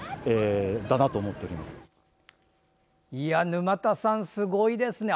沼田さん、すごいですね！